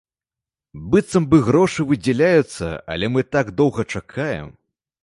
Быццам бы грошы выдзяляюцца, але мы так доўга чакаем.